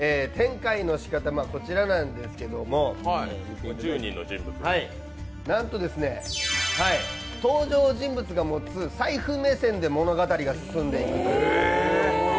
こちらなんですけれども、なんとですね、登場人物が持つ財布目線で物語が進んでいく。